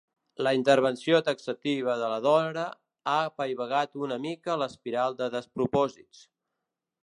La intervenció taxativa de la Dora ha apaivagat una mica l'espiral de despropòsits.